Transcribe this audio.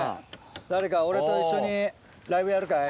誰か俺と一緒にライブやるかい？